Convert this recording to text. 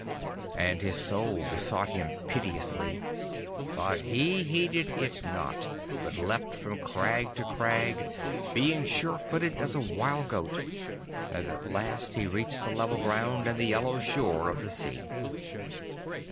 And his Soul besought him piteously, but he heeded it not, but leapt from crag to crag, being sure footed as a wild goat, and at last he reached the level ground and the yellow shore of the sea.